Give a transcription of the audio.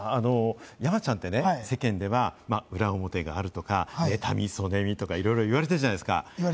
山ちゃんてね、世間では裏表があるとか、いろいろ言われてるじゃないですか。